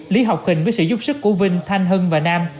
lý học hình với sự giúp sức của vinh thanh hân và nam